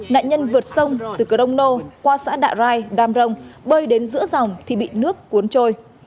nạn nhân vượt sông từ cờ đông nô qua xã đạ rai đam rông bơi đến giữa dòng thì bị nước cuốn trôi